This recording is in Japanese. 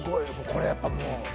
これやっぱもう。ねえ！